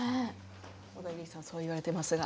オダギリさんそう言われていますが。